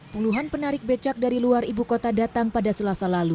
puluhan penarik becak dari luar ibu kota datang pada selasa lalu